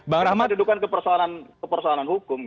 bukan didukan kepersoalan hukum